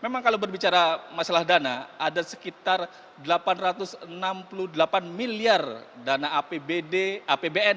memang kalau berbicara masalah dana ada sekitar delapan ratus enam puluh delapan miliar dana apbn